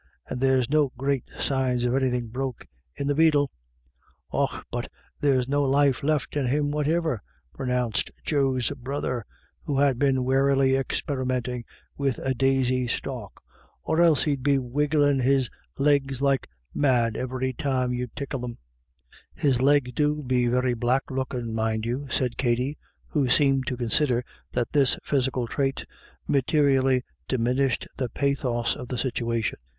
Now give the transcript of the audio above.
And there's no great signs of anythin' broke in the beetle." " Och, but there's no life left in him whativer/* BACKWARDS AND FORWARDS. 279 pronounced Joe's brother, who had been warily experimenting with a daisy stalk, " or else he'd be wrigglm' his legs like mad ivery time you'd tickle them." u His legs do be very black lookin', mind you/' said Katty, who seemed to consider that this physical trait materially diminished the pathos of the situation.